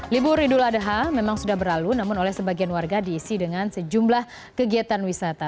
libur idul adha memang sudah berlalu namun oleh sebagian warga diisi dengan sejumlah kegiatan wisata